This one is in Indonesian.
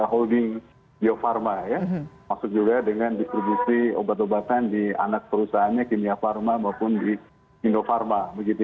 nah holding biofarma ya maksud juga dengan distribusi obat obatan di anak perusahaannya kimia farma maupun di indofarma